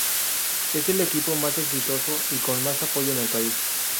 Es el equipo más exitoso y con más apoyo en el país.